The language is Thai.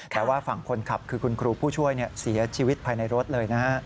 แต่ว่าฝั่งคนขับคือคุณครูผู้ช่วยเสียชีวิตภายในรถเลยนะฮะ